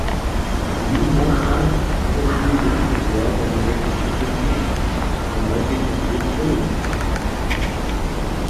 Ces mouvements tendent à favoriser d'autres voies vers une agriculture durable, dont l'agriculture biologique.